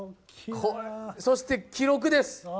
そして記録です。